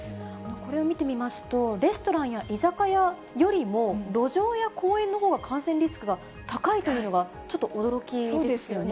これを見てみますと、レストランや居酒屋よりも、路上や公園のほうが感染リスクが高いというのが、ちょっと驚きですよね。